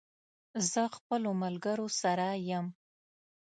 زه خپلو ملګرو سره یم